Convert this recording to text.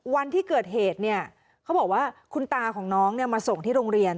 วันที่เกิดเหตุเนี่ยเขาบอกว่าคุณตาของน้องมาส่งที่โรงเรียน